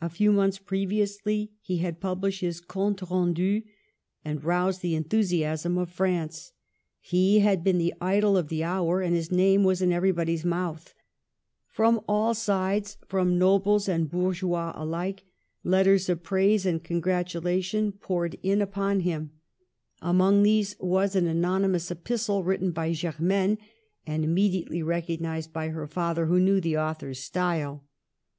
A few months previously he had published his Compte Rendu, and roused the enthusiasm of France. He had been the idol of the hour, and his name was in everybody's mouth. From all sides, from nobles and bourgeois alike, letters of praise and congratulation poured in Digitized by VjOOQIC 26 MADAME DE STAEL. upon him. Among these was an anonymous epistle, written by Germaine, and immediately recognized by her father, who knew the author's style.